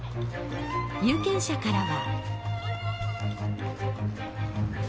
有権者からは。